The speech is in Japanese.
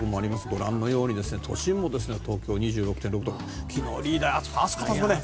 ご覧のように都市部も東京は２６．６度と昨日、リーダー暑かったですね。